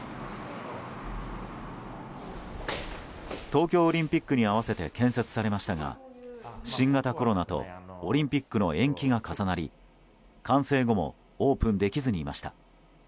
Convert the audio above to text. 東京オリンピックに合わせて建設されましたが新型コロナとオリンピックの延期が重なり完成後もオープンできずにいました。